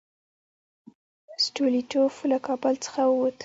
سټولیټوف له کابل څخه ووت.